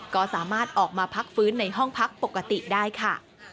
ก็สามารถออกมาพักฟื้นในห้องพักปกติได้ค่ะ